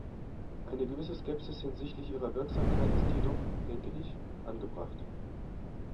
Eine gewisse Skepsis hinsichtlich ihrer Wirksamkeit ist jedoch, denke ich, angebracht.